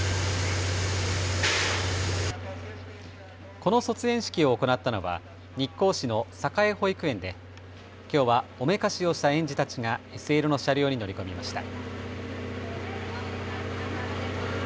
この卒園式を行ったのは日光市のさかえ保育園できょうはおめかしをした園児たちがＳＬの車両に乗り込みました。